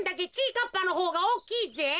かっぱのほうがおおきいぜ。